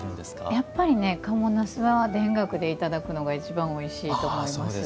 やっぱりね、賀茂なすは田楽でいただくのが一番おいしいと思います。